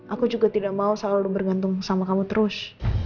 aku juga tidak mau selalu bergantung sama kamu terus